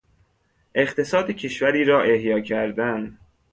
اقتصاد کشوری را احیا کردن